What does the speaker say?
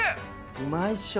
うまいっしょ。